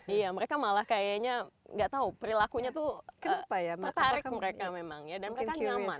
iya mereka malah kayaknya nggak tahu perilakunya itu tertarik mereka memang